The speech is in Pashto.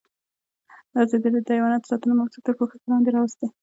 ازادي راډیو د حیوان ساتنه موضوع تر پوښښ لاندې راوستې.